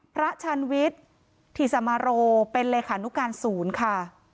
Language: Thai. ชันวิทย์ธิสมโรเป็นเลขานุการศูนย์ค่ะ